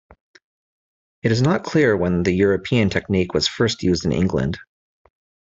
It is not clear when the European technique was first used in England.